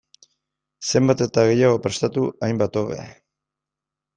Zenbat eta gehiago prestatu, hainbat hobe.